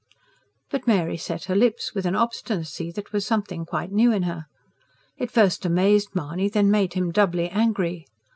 But Mary set her lips, with an obstinacy that was something quite new in her. It first amazed Mahony, then made him doubly angry.